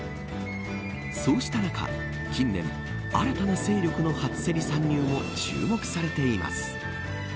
そうした中、実は近年新たな勢力の初競り参入も注目されています。